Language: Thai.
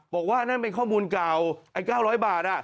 บอกว่านั่นเป็นข้อมูลเก่าไอ้๙๐๐บาท